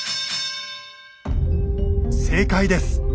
正解です！